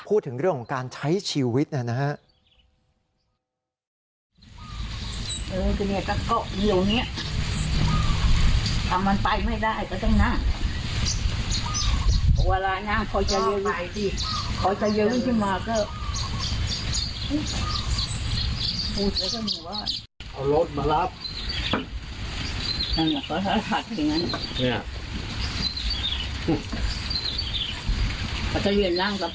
พูดถึงเรื่องของการใช้ชีวิตนะครับ